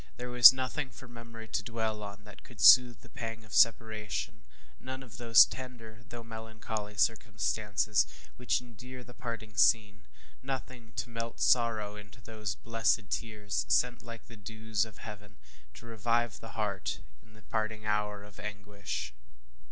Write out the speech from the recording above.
There was nothing for memory to dwell on that could soothe the pang of separation none of those tender, though melancholy circumstances which endear the parting scene nothing to melt sorrow into those blessed tears, sent like the dews of heaven, to revive the heart in the parting hour of anguish.